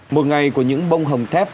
một ngày của những bông hồng thép